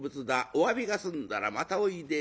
おわびが済んだらまたおいで。